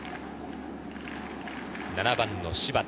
７番・柴田。